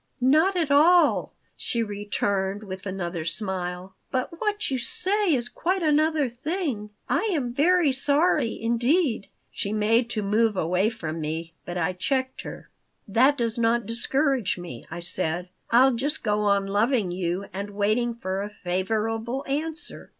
Not at all," she returned, with another smile. "But what you say is quite another thing. I am very sorry, indeed." She made to move away from me, but I checked her "That does not discourage me," I said. "I'll just go on loving you and waiting for a favorable answer.